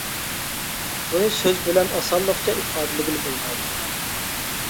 بۇنى سۆز بىلەن ئاسانلىقچە ئىپادىلىگىلى بولمايدۇ.